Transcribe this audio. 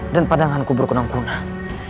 dan padanganku berkunung kunung